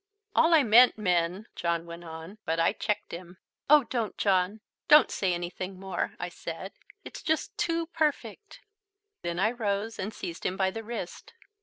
"All I meant, Minn " John went on, but I checked him. "Oh, don't, John, don't say anything more," I said. "It's just too perfect." Then I rose and seized him by the wrist.